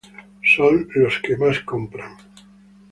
Son los que más compran.